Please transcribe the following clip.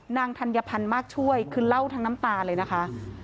ธัญพันธ์มากช่วยคือเล่าทั้งน้ำตาเลยนะคะ